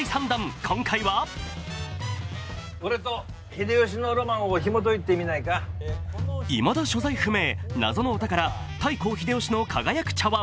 今回はいまだ所在不明謎のお宝、太閤秀吉の輝く茶わん。